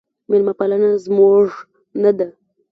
میلمه پاله زموږ نه ده